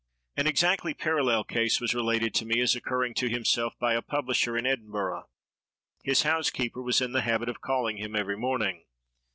An exactly parallel case was related to me, as occurring to himself, by a publisher in Edinburgh. His housekeeper was in the habit of calling him every morning.